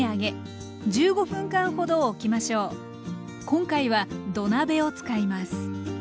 今回は土鍋を使います。